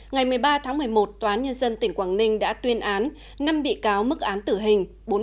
ngày một mươi ba tháng một mươi một tòa án nhân dân tỉnh quảng ninh đã tuyên án năm bị cáo mức án tử hình